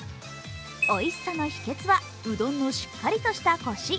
おいしさの秘けつは、うどんのしっかりとしたコシ。